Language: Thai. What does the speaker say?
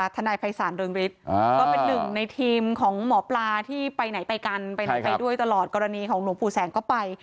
ทนายภัยศาลเรืองฤทธิ์ก็เป็นหนึ่งในทีมของหมอปลาที่ไปไหนไปกันไปไหนไปด้วยตลอดกรณีของหลวงปู่แสงก็ไป